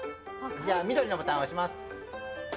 緑のボタンを押します。